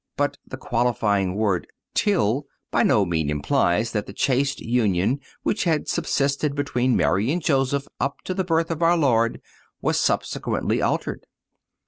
But the qualifying word till by no means implies that the chaste union which had subsisted between Mary and Joseph up to the birth of our Lord was subsequently altered.